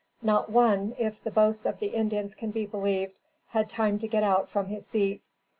Not one, if the boasts of the Indians can be believed, had time to get out from his seat.